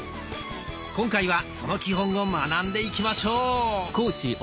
今回はその基本を学んでいきましょう。